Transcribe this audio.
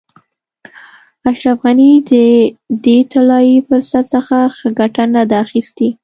اشرف غني د دې طلایي فرصت څخه ښه ګټه نه ده اخیستې.